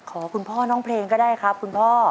คุณพ่อน้องเพลงก็ได้ครับคุณพ่อ